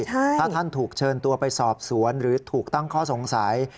ถ้าท่านถูกเชิญตัวไปสอบสวนหรือถูกตั้งข้อสงสัย